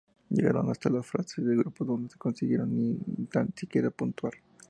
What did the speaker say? Llegaron hasta la fase de grupos donde no consiguieron ni tan siquiera puntuar.